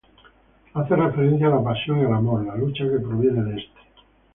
Hace referencia a la pasión y al amor... la lucha que proviene de este.